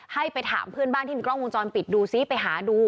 ให้ไปถามเพื่อนบ้านที่มีกล้องวงจรปิดดูซิไปหาดู